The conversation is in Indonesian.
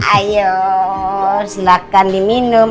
ayo silahkan diminum